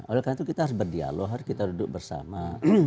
oleh karena itu kita harus berdialog harus kita duduk bersama